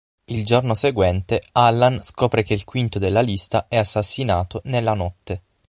Il giorno seguente Allan scopre che il quinto della lista è assassinato nella notte.